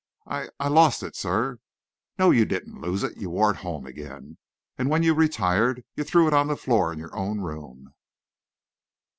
"I I lost it, sir." "No, you didn't lose it. You wore it home again, and when you retired, you threw it on the floor, in your own room."